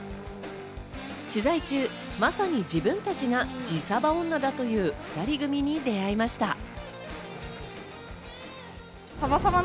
取材中、まさに自分たちが自サバ女だという２人組に出会いました。